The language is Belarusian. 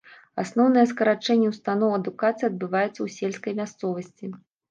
Асноўнае скарачэнне ўстаноў адукацыі адбываецца ў сельскай мясцовасці.